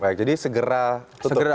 baik jadi segera tutup saran anda